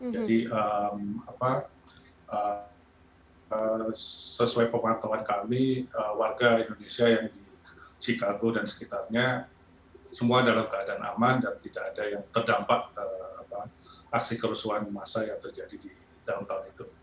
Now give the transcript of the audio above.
jadi sesuai pemantauan kami warga indonesia yang di chicago dan sekitarnya semua dalam keadaan aman dan tidak ada yang terdampak aksi kerusuhan masa yang terjadi di downtown itu